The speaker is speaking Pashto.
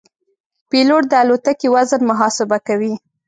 پیلوټ د الوتکې وزن محاسبه کوي.